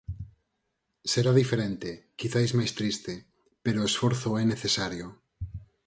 Será diferente, quizais máis triste, pero o esforzo é necesario.